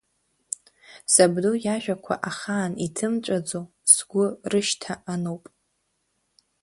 Сабду иажәақәа, ахаан иҭымҵәаӡо, сгәы рышьҭа ануп.